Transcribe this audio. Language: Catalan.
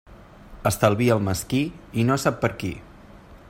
Estalvia el mesquí i no sap per a qui.